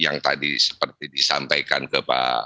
yang tadi seperti disampaikan oleh pak jokowi